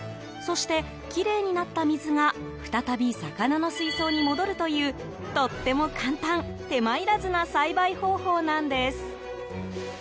そして、きれいになった水が再び魚の水槽に戻るというとっても簡単、手間いらずな栽培方法なんです。